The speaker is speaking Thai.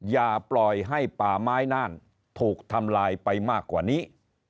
อย่าปล่อยให้ป่าไม้น่านถูกทำลายไปมากกว่านี้